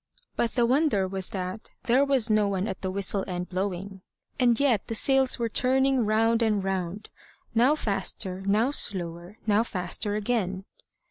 But the wonder was that there was no one at the whistle end blowing, and yet the sails were turning round and round now faster, now slower, now faster again.